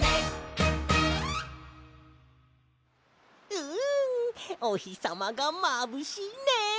うんおひさまがまぶしいね！